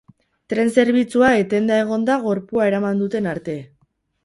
Tren zerbitzua etenda egon da gorpua eraman duten arte.